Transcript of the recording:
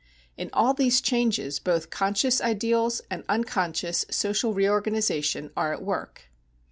In all these changes both conscious ideals and unconscious social reorganization are at work.